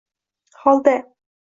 Holda